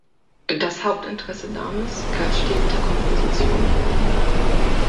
Das Hauptinteresse Dames’ galt stets der Komposition.